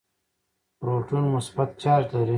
پروټون مثبت چارج لري.